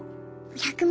１００万